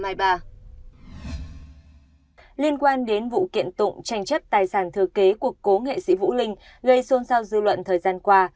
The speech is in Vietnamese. liên quan đến vụ kiện tụng tranh chấp tài sản thừa kế của cố nghệ sĩ vũ linh gây xôn xao dư luận thời gian qua